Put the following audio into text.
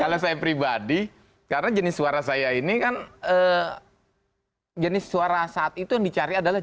kalau saya pribadi karena jenis suara saya ini kan jenis suara saat itu yang dicari adalah